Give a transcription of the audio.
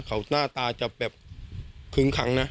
เขาหน้าตาจะแบบคึ้งขังนะ